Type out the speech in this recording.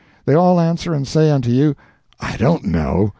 They all answer and say unto you, "I don't know."